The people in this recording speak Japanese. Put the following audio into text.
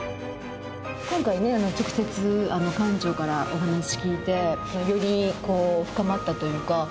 今回直接館長からお話聞いてより深まったというか。